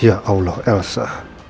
ya allah elsa